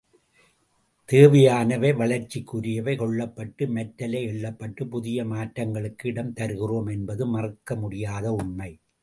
தேவையானவை, வளர்ச்சிக்குரியவை கொள்ளப்பட்டு மற்றலை எள்ளப்பட்டுப் புதிய மாற்றங்களுக்கு இடம் தருகிறோம் என்பது மறுக்க முடியாத உண்மை.